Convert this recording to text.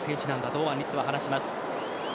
堂安律は話します。